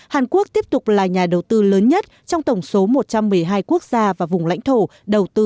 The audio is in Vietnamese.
hàn quốc tiếp tục là nhà đầu tư lớn nhất trong tổng số một trăm một mươi hai quốc gia và vùng lãnh thổ đầu tư